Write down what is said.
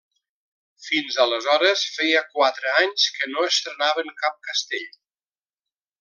Fins aleshores feia quatre anys que no estrenaven cap castell.